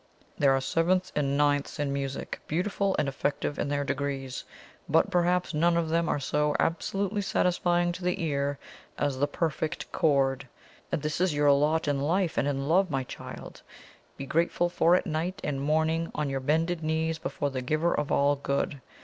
There are sevenths and ninths in music, beautiful and effective in their degrees; but perhaps none of them are so absolutely satisfying to the ear as the perfect chord. And this is your lot in life and in love, my child be grateful for it night and morning on your bended knees before the Giver of all good.